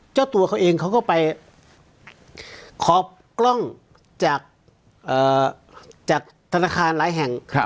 เจ้าตัวเขาเองเขาก็ไปขอกล้องจากธนาคารหลายแห่ง